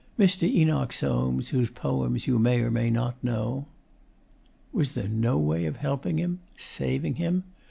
Mr. Enoch Soames, whose poems you may or may not know,'.... Was there NO way of helping him saving him?